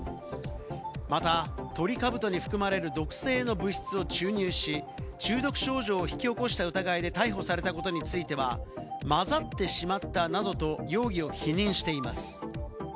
またトリカブトに含まれる毒性の物質を注入し、中毒症状を引き起こした疑いで逮捕されたことについては混ざってしまったなどと容疑を否認しています。